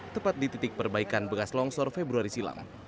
tepat di titik perbaikan bekas longsor februari silam